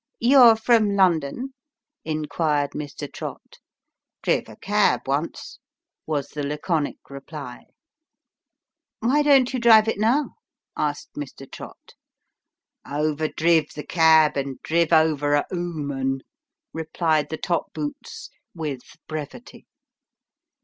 " You're from London ?" inquired Mr. Trott. " Driv a cab once," was the laconic reply. " Why don't you drive it now ?" asked Mr. Trott. " Over driv the cab, and driv over a "ooman," replied the top boots, with brevity.